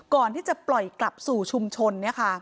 ก่อนที่จะปล่อยกลับสู่ชุมชน